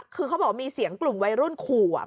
คือเขาบอกว่ามีเสียงกลุ่มวัยรุ่นขู่